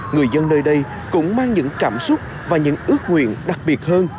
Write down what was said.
người dân nơi đây cũng mang những cảm xúc và những ước nguyện đặc biệt hơn